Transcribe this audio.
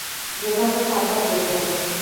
যেভাবে সাজ্জাদ গেছে।